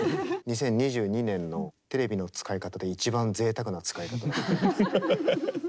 ２０２２年のテレビの使い方で一番ぜいたくな使い方です。